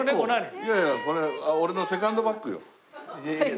いやいやこれセカンドバッグ。